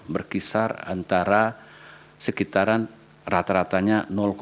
berkisar antara sekitaran rata ratanya dua puluh sembilan